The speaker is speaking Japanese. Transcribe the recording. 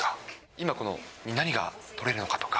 今、この海、何が取れるのかとか。